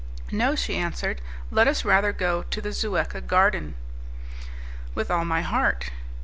"No," she answered, "let us rather go to the Zuecca Garden." "With all my heart."